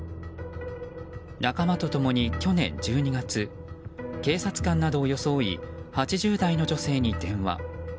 仲間と共に去年１２月警察官などを装い８０代の女性に電話。